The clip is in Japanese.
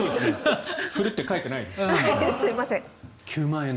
振るって書いてないですからね。